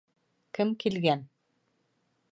Кем килгән?